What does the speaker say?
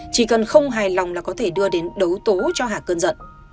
chỉ cần không hài lòng là có thể đưa đến đấu tố cho hà cơn giận